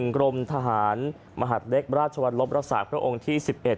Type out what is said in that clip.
กรมทหารมหาดเล็กบราชวรรณลบราศาสตร์พระองค์ที่๑๑